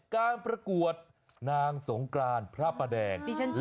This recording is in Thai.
ครรภ์นะภูกภูกภูกภูกฟูก